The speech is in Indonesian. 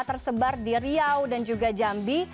tersebar di riau dan juga jambi